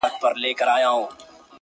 نیم وجود دي په زړو جامو کي پټ دی-!